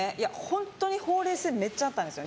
ホントにほうれい線めっちゃあったんですよ。